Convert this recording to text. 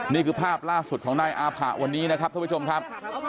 นี่คือภาพล่าสุดของนายอาผะวันนี้นะครับท่านผู้ชมครับ